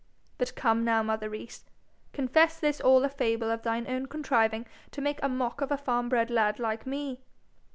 But come now, mother Rees, confess this all a fable of thine own contriving to make a mock of a farm bred lad like me.'